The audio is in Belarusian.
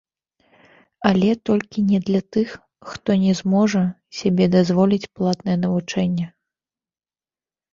Але толькі не для тых, хто не зможа сабе дазволіць платнае навучанне.